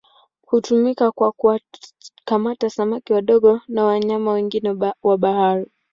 Hutumika kwa kukamata samaki wadogo na wanyama wengine wa bahari.